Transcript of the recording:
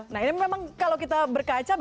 nah ini memang kalau kita berkaca